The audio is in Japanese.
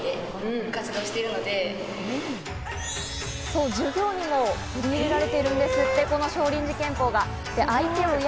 そう、授業にも取り入れられているんですって、この少林寺拳法が。